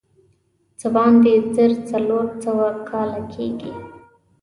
څه باندې زر څلور سوه کاله کېږي.